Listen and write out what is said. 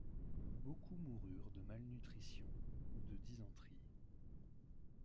Beaucoup moururent de malnutrition ou de dysenterie.